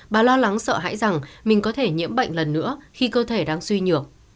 bà lo lắng sợ hãi rằng mình có thể nhiễm bệnh lần nữa khi cơ thể đang suy như